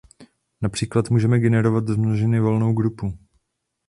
Například může generovat z množiny volnou grupu.